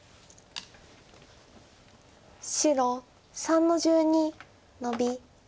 白３の十二ノビ。